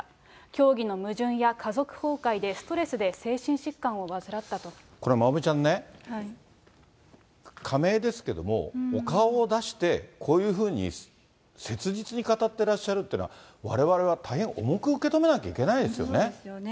教義の矛盾や家族崩壊で、これ、まおみちゃんね、仮名ですけれども、お顔を出して、こういうふうに切実に語ってらっしゃるというのは、われわれは大変重く受け止めなきゃいけないですよね。